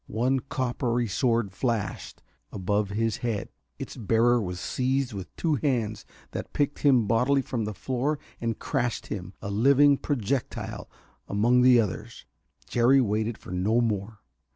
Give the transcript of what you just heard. One coppery sword flashed upward above his head. Its bearer was seized in two hands that picked him bodily from the floor and crashed him, a living projectile, among the others. Jerry waited for no more.